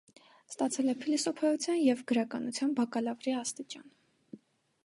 Ստացել է փիլիսոփայության և գրականության բակալավրի աստիճան։